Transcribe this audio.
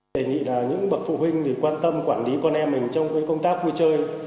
đề nghị là những bậc phụ huynh quan tâm quản lý con em mình trong công tác vui chơi